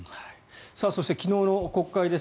そして昨日の国会です。